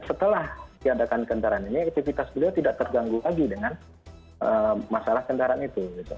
setelah diadakan kendaraan ini aktivitas beliau tidak terganggu lagi dengan masalah kendaraan itu